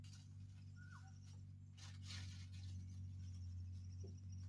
Most common in poorly drained soils, also where organic matter levels are high.